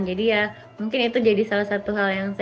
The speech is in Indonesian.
jadi ya mungkin itu jadi salah satu hal yang saya